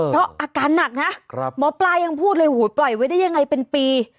เพราะอาการหนักนะหมอปลายังพูดเลยหูปล่อยไว้ได้ยังไงเป็นปี